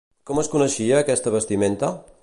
Com es coneixia aquesta vestimenta?